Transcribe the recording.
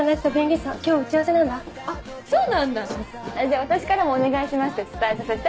じゃあ私からもお願いしますって伝えさせて。